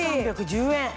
４３１０円。